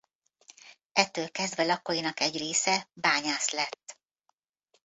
Ettől kezdve lakóinak egy része bányász lett.